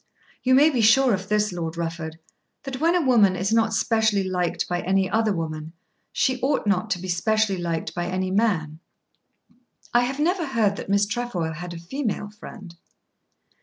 You may be sure of this, Lord Rufford, that when a woman is not specially liked by any other woman, she ought not to be specially liked by any man. I have never heard that Miss Trefoil had a female friend."